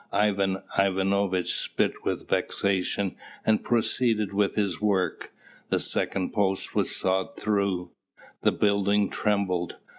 Ivan Ivanovitch spit with vexation and proceeded with his work. The second post was sawed through; the building trembled.